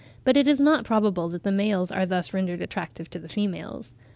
but it is not probable that the males are thus rendered attractive to the females.